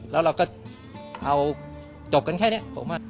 แล้วเราก็เอาจบกันแค่นี้